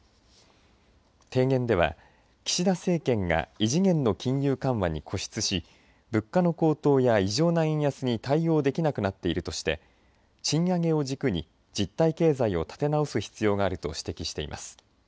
提言では岸田政権が異次元の金融緩和に固執し物価の高騰や異常な円安に対応できなくなっているとして賃上げを軸に実体経済を立て直す必要があると指摘しています。